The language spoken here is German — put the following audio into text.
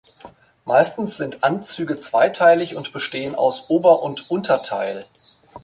Meistens sind Anzüge zweiteilig und bestehen aus Ober- und Unterteil.